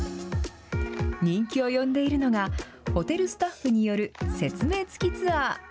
人気を呼んでいるのが、ホテルスタッフによる説明付きツアー。